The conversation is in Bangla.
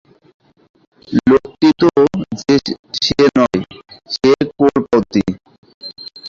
লোকটি তো যে সে নয়, সে ক্রোড়পতি।